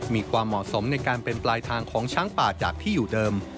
มีความเหมาะสมในการเป็นปลายทางของช้างป่าจากที่อยู่เดิม